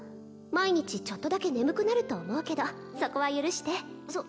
毎日ちょっとだけ眠くなると思うけどそこは許してそ